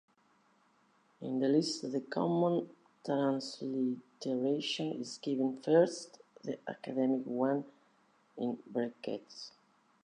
In the list the common transliteration is given first, the academic one in brackets.